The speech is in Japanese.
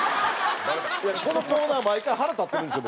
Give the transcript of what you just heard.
このコーナー毎回腹立ってるんですよ